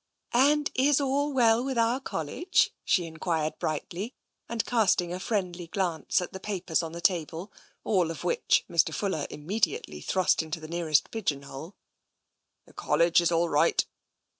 "And is all well with our College?" she enquired brightly, and casting a friendly glance at the papers on the table, all of which Mr. Fuller immediately thrust into the nearest pigeon hole. " The College is all right."